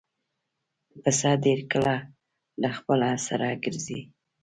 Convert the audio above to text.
پسه ډېر کله له خپلو سره ګرځي.